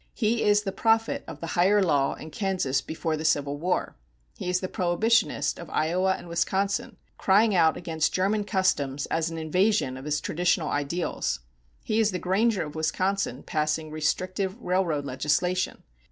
He is the prophet of the "higher law" in Kansas before the Civil War. He is the Prohibitionist of Iowa and Wisconsin, crying out against German customs as an invasion of his traditional ideals. He is the Granger of Wisconsin, passing restrictive railroad legislation.